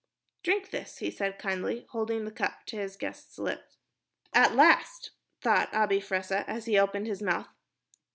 "Drink this," he said kindly, holding the cup to his guest's lip. "At last," thought Abi Fressah, as he opened his mouth.